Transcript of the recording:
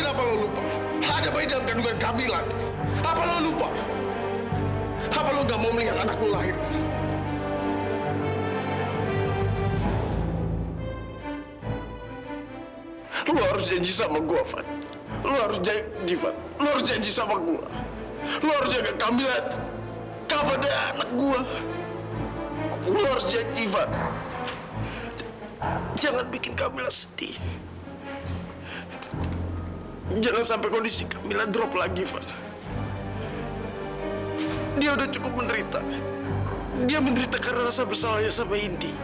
sampai jumpa di video selanjutnya